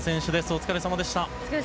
お疲れさまでした。